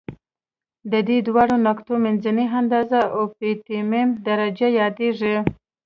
د دې دواړو نقطو منځنۍ اندازه اؤپټیمم درجه یادیږي.